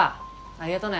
ありがとね。